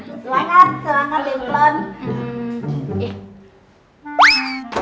selangor selangor bimplon